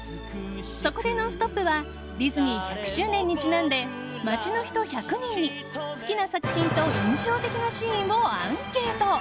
そこで「ノンストップ！」はディズニー１００周年にちなんで街の人１００人に好きな作品と印象的なシーンをアンケート。